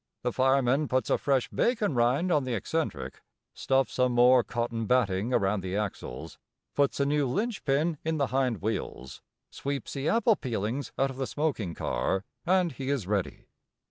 The fireman puts a fresh bacon rind on the eccentric, stuffs some more cotton batting around the axles, puts a new lynch pin in the hind wheels, sweeps the apple peelings out of the smoking car, and he is ready.